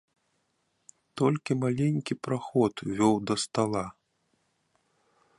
Толькі маленькі праход вёў да стала.